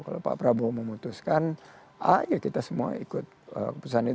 kalau pak prabowo memutuskan ah ya kita semua ikut keputusan itu